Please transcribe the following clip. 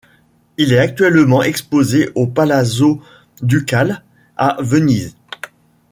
Il est actuellement exposé au Palazzo Ducale, à Venise.